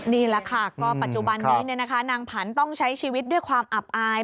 นี่แหละค่ะก็ปัจจุบันนี้นางผันต้องใช้ชีวิตด้วยความอับอาย